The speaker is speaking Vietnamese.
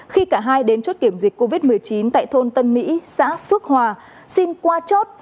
khi cả hai đến chốt kiểm dịch covid một mươi chín tại thôn tân mỹ xã phước hòa xin qua chốt